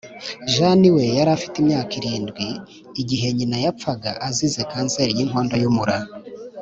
Jeannie we yari afite imyaka irindwi igihe nyina yapfaga azize kanseri y’inkondo y’umura